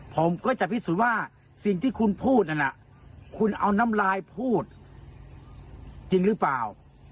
ผมก็จะพิสูจน์ว่าสิ่งที่คุณพูดนั่นน่ะคุณเอาน้ำลายพูดจริงหรือเปล่า